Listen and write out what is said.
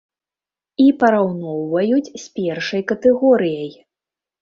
І параўноўваюць з першай катэгорыяй.